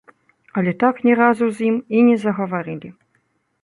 Але так ні разу з ім і не загаварылі.